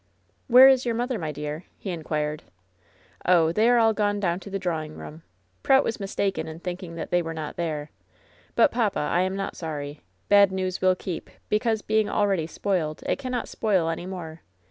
"Where is your mother, my dear?" he inquired. "Oh, they are all gone down to the drawing roonu ftSO LOVE'S BITTEREST CUP Pront was mistaken in thinking that they were not there. But, papa, I am not sorry ! Bad news will keep ; because being already spoiled, it cannot spoil any more.